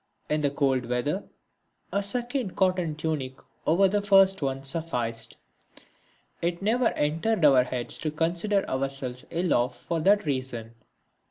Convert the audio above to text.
In the cold weather a second cotton tunic over the first one sufficed. It never entered our heads to consider ourselves ill off for that reason.